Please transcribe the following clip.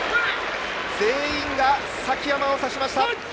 全員が崎山を指しました！